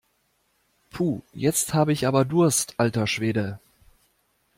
Puh, jetzt habe ich aber Durst, alter Schwede!